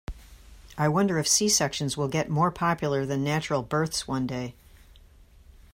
I wonder if C-sections will get more popular than natural births one day.